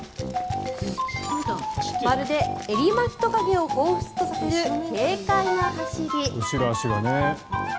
まるでエリマキトカゲをほうふつとさせる軽快な走り。